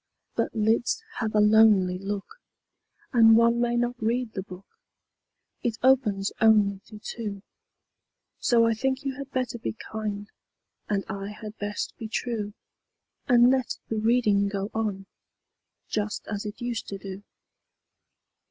But lids have a lonely look, And one may not read the book It opens only to two; So I think you had better be kind, And I had best be true, And let the reading go on, Just as it used to do.